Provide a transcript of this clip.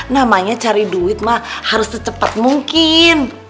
namanya cari duit mah harus secepat mungkin